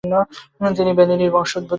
তিনি বেনিনীয় বংশোদ্ভূত।